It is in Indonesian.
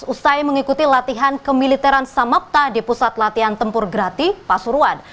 usai mengikuti latihan kemiliteran samapta di pusat latihan tempur grati pasuruan